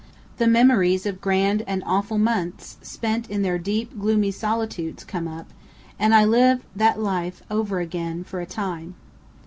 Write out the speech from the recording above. The memories of grand and awful months spent in their deep, gloomy solitudes come up, and I live that life over again for a time.